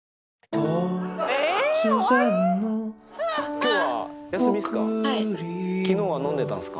今日は休みっすか？